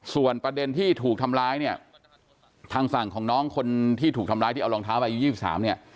ส่วนประเด็นที่ถูกทำร้ายเนี่ยทางฝั่งของน้องคนที่ถูกทำร้ายที่เอารองเท้าวัย๒๓เนี่ย